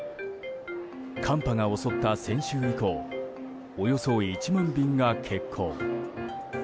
寒波が襲った先週以降およそ１万便が欠航。